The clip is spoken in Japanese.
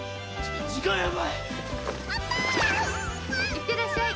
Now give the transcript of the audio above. いってらっしゃい！